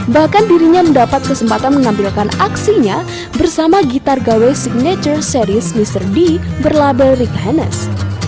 bahkan dirinya mendapat kesempatan menampilkan aksinya bersama gitar gawai signature series mr d berlabel rickhenes